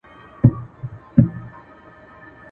o ناړي چي تو سي، بيرته نه اخيستلي کېږي.